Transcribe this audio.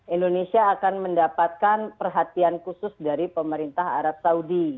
indonesia akan mendapatkan perhatian khusus dari pemerintah arab saudi